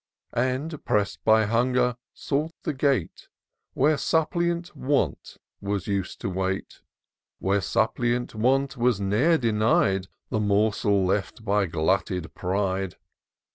And, press'd by hunger, sought the gate Where suppliant Want was used to wait — Where suppliant Want was ne'er denied The morsel left by glutted Pride.